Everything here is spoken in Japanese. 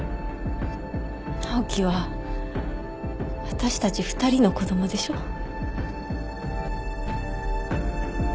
直樹は私たち二人の子供でしょ？